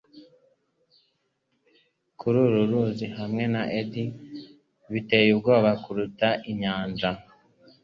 kuri uru ruzi hamwe na eddies biteye ubwoba kuruta inyanja